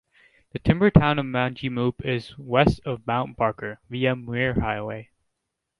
The timber town of Manjimup is west of Mount Barker, via Muir Highway.